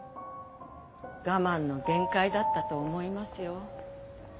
我慢の限界だったと思いますよ。